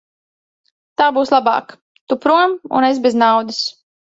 Tā būs labāk; tu prom un es bez naudas.